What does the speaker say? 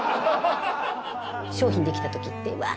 商品できたときって、うわぁ！